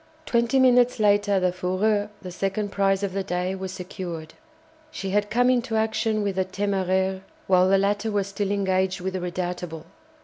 Twenty minutes later the "Fougueux," the second prize of the day, was secured. She had come into action with the "Téméraire" while the latter was still engaged with the "Redoutable."